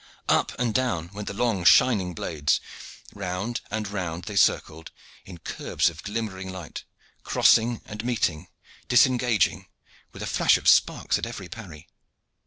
Up and down went the long, shining blades, round and round they circled in curves of glimmering light, crossing, meeting, disengaging, with flash of sparks at every parry.